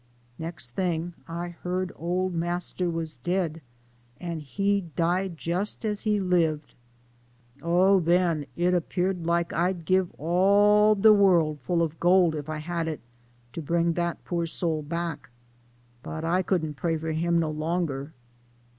" Nex' ting I heard old master was dead, an' he died jus' as .he libed. Oh, then, it 'peared like I'd give all de world full ob gold, if I had it, to bring dat poor soul back. But I couldn't pray for him no longer."